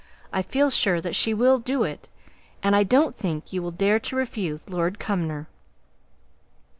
I feel sure that she will do it; and I don't think you will dare to refuse Lord Cumnor."